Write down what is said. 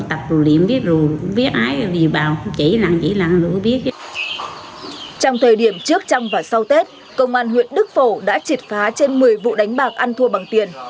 trong thời điểm trước trong và sau tết công an huyện đức phổ đã triệt phá trên một mươi vụ đánh bạc ăn thua bằng tiền